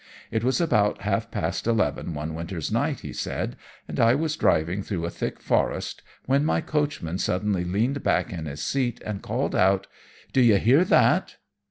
"It was about half past eleven one winter's night," he said, "and I was driving through a thick forest, when my coachman suddenly leaned back in his seat and called out, 'Do you hear that?'